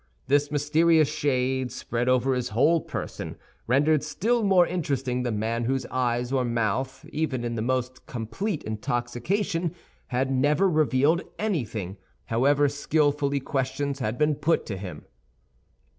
This mysterious shade, spread over his whole person, rendered still more interesting the man whose eyes or mouth, even in the most complete intoxication, had never revealed anything, however skillfully questions had been put to him.